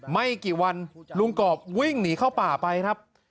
ไม่กี่วันลุงกรอบวิ่งหนีเข้าป่าไปครับ